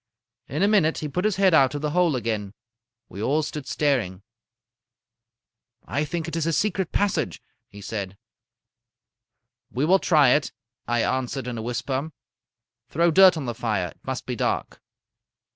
In a minute he put his head out of the hole again. We all stood staring. "'I think it is a secret passage,' he said. "'We will try it,' I answered in a whisper. 'Throw dirt on the fire. It must be dark.'